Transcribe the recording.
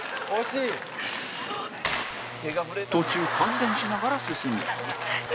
途中、感電しながら進み綾瀬：何？